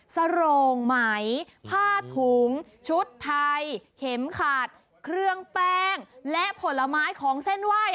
สโรงไหมผ้าถุงชุดไทยเข็มขาดเครื่องแป้งและผลไม้ของเส้นไหว้